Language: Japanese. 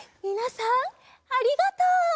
みなさんありがとう。